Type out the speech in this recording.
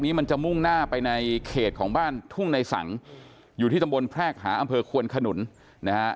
มันจะมุ่งหน้าไปในเขตของบ้านทุ่งในสังอยู่ที่ตำบลแพรกหาอำเภอควนขนุนนะฮะ